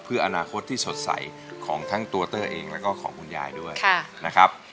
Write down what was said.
เพื่ออนาคตที่สดใสของทั้งตัวเตอร์เองแล้วก็ของคุณยายด้วยนะครับ